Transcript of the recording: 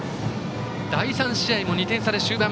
第３試合も２点差で終盤。